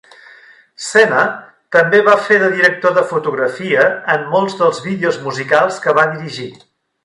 Sena també va fer de director de fotografia en molts dels vídeos musicals que va dirigir.